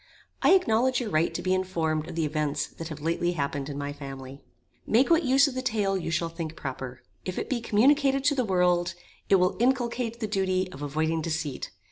I acknowledge your right to be informed of the events that have lately happened in my family. Make what use of the tale you shall think proper. If it be communicated to the world, it will inculcate the duty of avoiding deceit.